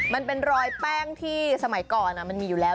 มันเป็นรอยแป้งที่สมัยก่อนมันมีอยู่แล้ว